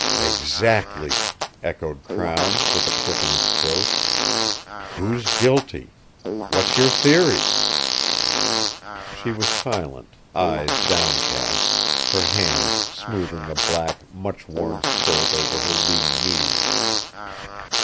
"Exactly," echoed Crown, with a click in his throat. "Who's guilty? What's your theory?" She was silent, eyes downcast, her hands smoothing the black, much worn skirt over her lean knees.